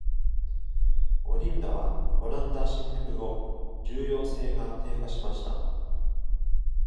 オリンダはオランダ侵略後、重要性が低下しました。